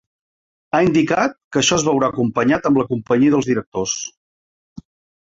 Ha indicat que això es veurà acompanyat amb la companyia dels directors.